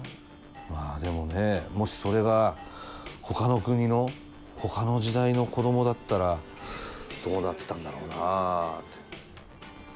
まあでもねもしそれがほかの国のほかの時代の子供だったらどうなってたんだろうなって。